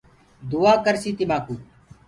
دُآآ ڪرسي تمآ ڪو